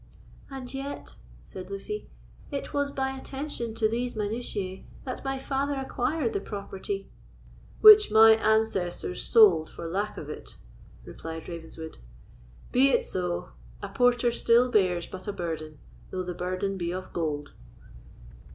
"And yet," said Lucy, "it was by attention to these minutiae that my father acquired the property——" "Which my ancestors sold for lack of it," replied Ravenswood. "Be it so; a porter still bears but a burden, though the burden be of gold."